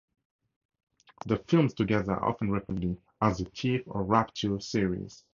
The films together are often referred to collectively as the "Thief" or "Rapture" series.